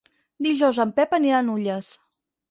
Dijous en Pep anirà a Nulles.